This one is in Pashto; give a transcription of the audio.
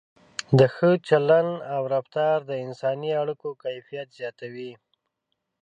د ښه چلند او رفتار د انساني اړیکو کیفیت زیاتوي.